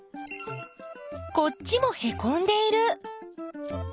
こっちもへこんでいる！